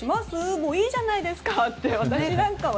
もういいじゃないですかって私なんかは。